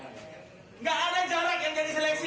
tidak ada jarak yang jadi seleksi